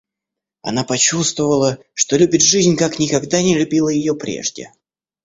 Она почувствовала, что любит жизнь, как никогда не любила ее прежде.